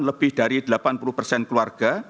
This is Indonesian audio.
lebih dari delapan puluh persen keluarga